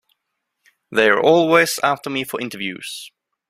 They're always after me for interviews.